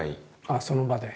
ああその場で？